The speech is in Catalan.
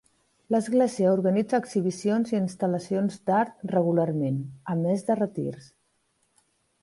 L'església organitza exhibicions i instal·lacions d'art regularment, a més de retirs.